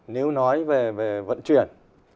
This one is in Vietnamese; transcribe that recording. nếu nói về vận chuyển